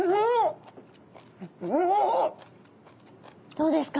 どうですか？